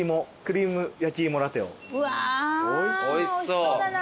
うわおいしそうだな。